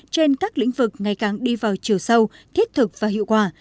trên các lĩnh vực ngày càng đi vào chiều sâu thiết thực và hiệu quả